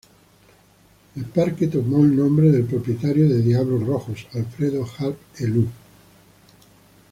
El parque tomó el nombre del propietario de Diablos Rojos, Alfredo Harp Helú.